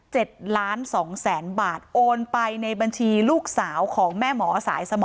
ล้านสองแสนบาทโอนไปในบัญชีลูกสาวของแม่หมอสายสมอ